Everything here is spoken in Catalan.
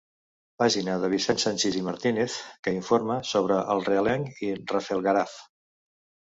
Pàgina de Vicent Sanchis i Martínez que informa sobre El Realenc i Rafelguaraf.